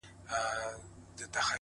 • ورځه ویده سه موږ به څرک د سبا ولټوو,,!